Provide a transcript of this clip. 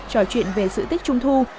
trò chuyện về sự tích trung thu